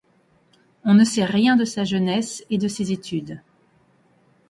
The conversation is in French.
On ne sait rien de sa jeunesse et de ses études.